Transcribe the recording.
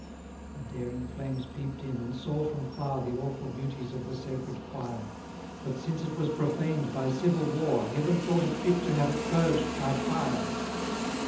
276 The daring flames peep'd in, and saw from far The awful beauties of the sacred quire: But since it was profaned by civil war, Heaven thought it fit to have it purged by fire.